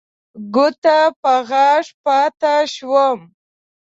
ګوته په غاښ پاتې شوم.